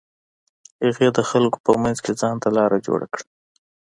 هغې د خلکو په منځ کښې ځان ته لاره جوړه کړه.